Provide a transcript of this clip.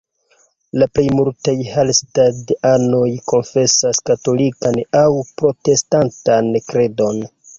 La plej multaj Hallstatt-anoj konfesas katolikan aŭ protestantan kredon.